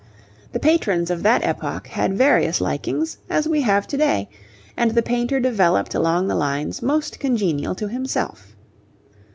The patrons of that epoch had various likings, as we have to day, and the painter developed along the lines most congenial to himself.